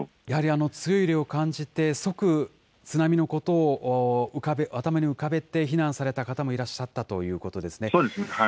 やはり強い揺れを感じて、即津波のことを頭に浮かべて避難された方もいらっしゃったということですね。